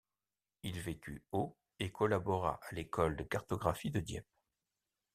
Il vécut au et collabora à l'école de cartographie de Dieppe.